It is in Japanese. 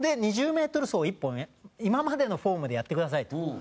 ２０メートル走１本今までのフォームでやってくださいと。